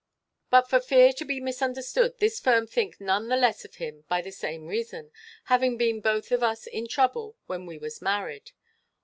But for fear to be misunderstood this firm think none the less of him by the same reason, having been both of us in trouble when we was married.